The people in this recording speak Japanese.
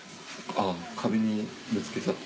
あぁ壁にぶつけちゃって。